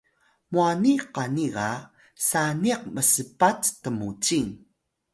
mwani qani ga saniq mspat tmucing